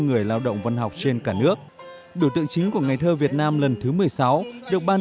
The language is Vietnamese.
người lao động văn học trên cả nước biểu tượng chính của ngày thơ việt nam lần thứ một mươi sáu được ban